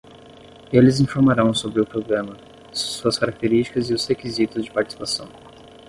Eles informarão sobre o programa, suas características e os requisitos de participação.